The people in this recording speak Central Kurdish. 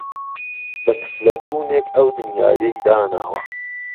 به کفله کوونێک ئەو دنیایەی داناوه